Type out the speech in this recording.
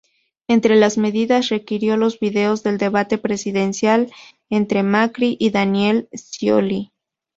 Entre las medidas, requirió los vídeos del debate presidencial entre Macri y Daniel Scioli.